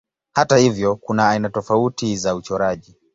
Hata hivyo kuna aina tofauti za uchoraji.